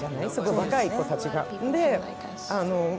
若い子たちが。